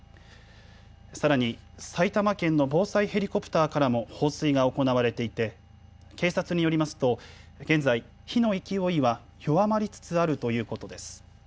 さらに埼玉県の防災ヘリコプターからも放水が行われていて警察によりますと現在、火の勢いは弱まりつつあるということです。